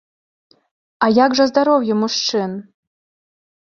А як жа здароўе мужчын?